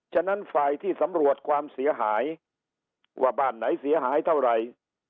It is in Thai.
ฉะนั้นฝ่ายที่สำรวจความเสียหายว่าบ้านไหนเสียหายเท่าไหร่